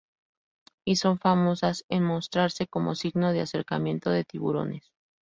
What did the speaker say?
Y son famosas en mostrarse como signo de acercamiento de tiburones.